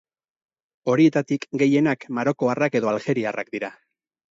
Horietatik gehienak marokoarrak edo aljeriarrak dira.